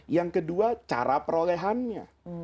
yang kedua cara perolehannya